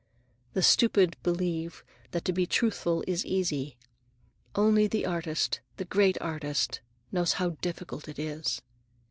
The stupid believe that to be truthful is easy; only the artist, the great artist, knows how difficult it is.